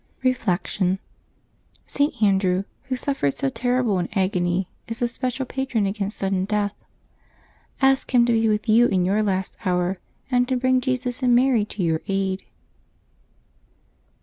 Reflection. — St. Andrew, who suffered so terrible an agony, is the special patron against sudden death. Ask him to be with you in your last hour, and to bring Jesus and Mary to your aid.